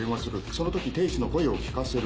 その時亭主の声を聞かせる。